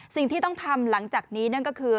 สิ่งที่ต้องทำหลังจากนี้นั่นก็คือ